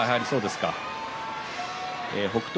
北勝